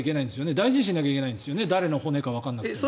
大事にしなきゃいけないんですよね誰の骨かわからなくても。